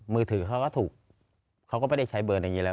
มือถือเขาก็ถูกเขาก็ไม่ได้ใช้เบอร์อย่างนี้แล้ว